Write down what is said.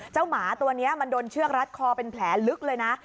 หมาตัวนี้มันโดนเชือกรัดคอเป็นแผลลึกเลยนะ